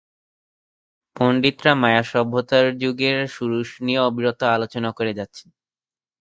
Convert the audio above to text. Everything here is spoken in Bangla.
পণ্ডিতরা মায়া সভ্যতার যুগের শুরু নিয়ে অবিরত আলোচনা করে যাচ্ছেন।